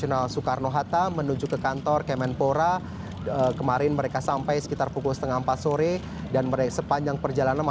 yang juga peraih medali emas olimpiade